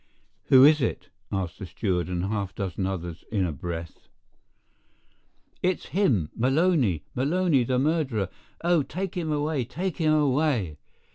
"Who is it?" asked the steward and half a dozen others in a breath. "It's him—Maloney—Maloney, the murderer—oh, take him away—take him away!"